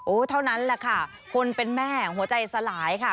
เท่านั้นแหละค่ะคนเป็นแม่หัวใจสลายค่ะ